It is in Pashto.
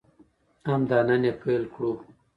همدا نن یې پیل کړو.